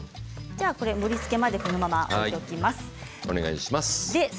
盛りつけまでこのまま置きます。